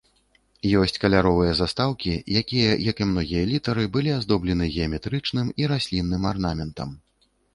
Ёсць каляровыя застаўкі, якія, як і многія літары, былі аздоблены геаметрычным і раслінным арнаментам.